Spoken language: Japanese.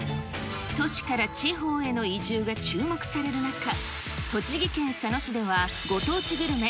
都市から地方への移住が注目される中、栃木県佐野市ではご当地グルメ、